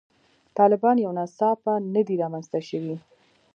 طالبان یو ناڅاپه نه دي رامنځته شوي.